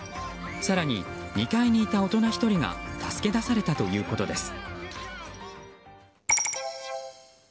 更に２階にいた大人１人が助け出されたということです。